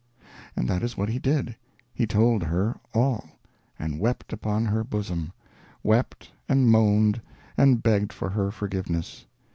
And that is what he did. He told her All; and wept upon her bosom; wept, and moaned, and begged for her forgiveness.